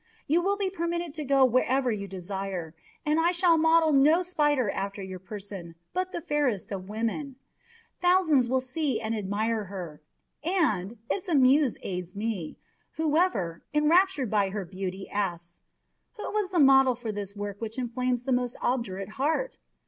You will be permitted to go wherever you desire; and I shall model no spider after your person, but the fairest of women. Thousands will see and admire her, and if the Muse aids me whoever, enraptured by her beauty, asks, 'Who was the model for this work which inflames the most obdurate heart?